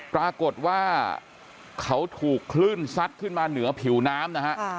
ปรากฏว่าเขาถูกคลื่นซัดขึ้นมาเหนือผิวน้ำนะฮะ